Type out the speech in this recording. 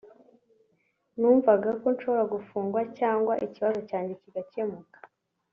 numvaga ko nshobora gufungwa cyangwa ikibazo cyanjye kigakemuka